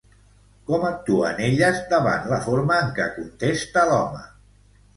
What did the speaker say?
Com actuen elles davant la forma en què contesta l'home?